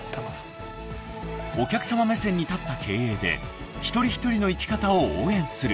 ［お客さま目線に立った経営で一人一人の生き方を応援する］